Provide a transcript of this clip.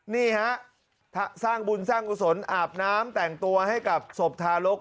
นี่ฮะสร้างบุญสร้างกุศลอาบน้ำแต่งตัวให้กับศพทารก